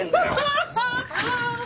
ハハハッ！